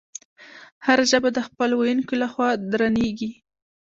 هره ژبه د خپلو ویونکو له خوا درنیږي.